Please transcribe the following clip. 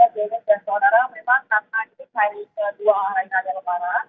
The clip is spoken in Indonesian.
kedua orang yang ada keparan